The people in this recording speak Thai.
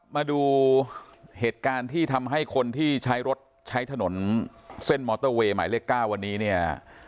มาดูเหตุการณ์ที่ทำให้คนที่ใช้รถใช้ถนนเส้นมอเตอร์เวย์หมายเลข๙วันนี้เนี่ย